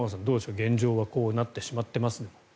現状はこうなってしまっていますが。